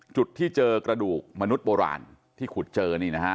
จุดที่เจอกระดูกมนุษย์โบราณที่ขุดเจอนี่นะฮะ